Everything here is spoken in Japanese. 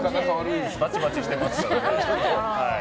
バチバチしてますからね。